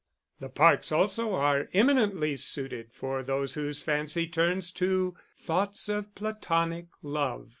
The parks also are eminently suited for those whose fancy turns to thoughts of Platonic love.